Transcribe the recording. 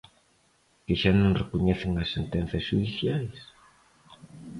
¿Que xa non recoñecen as sentenzas xudiciais?